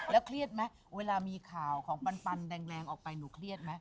เครียดไหมเวลามีข่าวของปันแรงออกไปหนูเครียดไหม